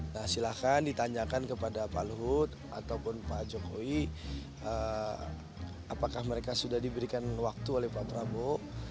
nah silahkan ditanyakan kepada pak luhut ataupun pak jokowi apakah mereka sudah diberikan waktu oleh pak prabowo